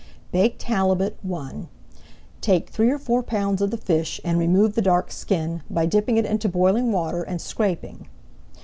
BAKED HALIBUT I Take three or four pounds of the fish and remove the dark skin, by dipping it into boiling water and scraping.